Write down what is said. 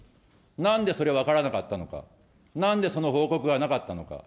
なんでそれ分からなかったのか、なんでその報告がなかったのか。